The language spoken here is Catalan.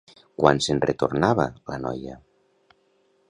Quan se'n retornava la noia?